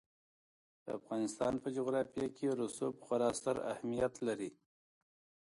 د افغانستان په جغرافیه کې رسوب خورا ستر اهمیت لري.